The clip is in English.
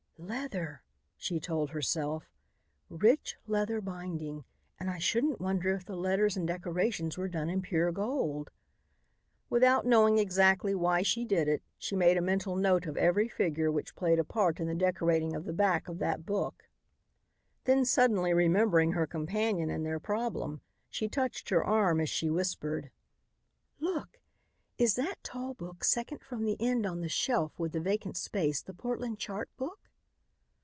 "Leather," she told herself, "rich leather binding and I shouldn't wonder if the letters and decorations were done in pure gold." Without knowing exactly why she did it, she made a mental note of every figure which played a part in the decorating of the back of that book. Then suddenly remembering her companion and their problem, she touched her arm as she whispered: "Look! Is that tall book second from the end on the shelf with the vacant space the Portland chart book?"